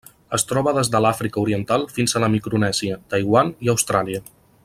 Es troba des de l'Àfrica Oriental fins a la Micronèsia, Taiwan i Austràlia.